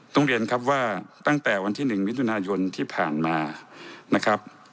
เรียนครับว่าตั้งแต่วันที่๑มิถุนายนที่ผ่านมานะครับ